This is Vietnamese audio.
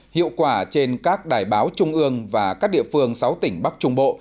hiệu quả trên các đài báo trung ương và các địa phương sáu tỉnh bắc trung bộ